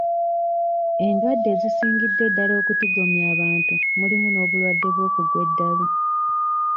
Endwadde ezisingidde ddala okutigomya abantu mulimu n'obulwadde bw'okugwa eddalu.